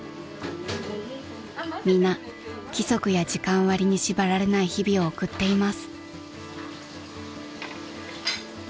［皆規則や時間割に縛られない日々を送っています］